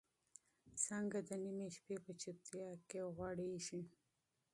څانګه د نيمې شپې په چوپتیا کې غوړېږي.